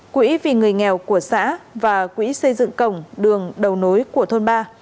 quỹ vì người nghèo của xã và quỹ xây dựng cổng đường đầu nối của thôn ba